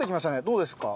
どうですか？